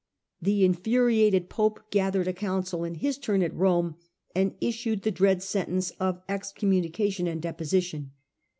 The infuriated Pope gathered a council in his turn at Rome and issued the dread sentence of excommunication and deposition.